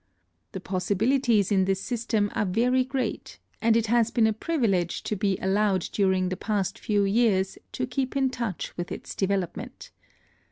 The possibilities in this system are very great, and it has been a privilege to be allowed during the past few years to keep in touch with its development.